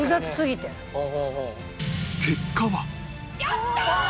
やったー！